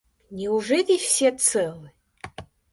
— Неужели все целы?